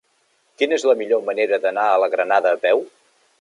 Quina és la millor manera d'anar a la Granada a peu?